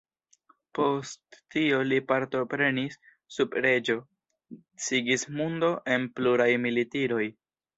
Post tio li partoprenis sub reĝo Sigismundo en pluraj militiroj.